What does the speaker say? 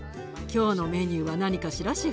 今日のメニューは何かしら？